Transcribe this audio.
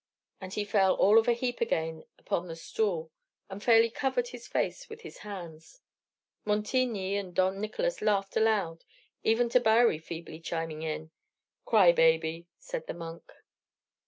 And he fell all of a heap again upon the stool, and fairly covered his face with his hands. Montigny and Dom Nicolas laughed aloud, even Tabary feebly chiming in. "Cry baby," said the monk.